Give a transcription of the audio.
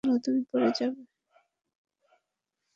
তুমি পড়ে যাবে।